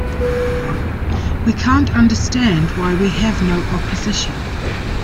We can't understand why we have no opposition.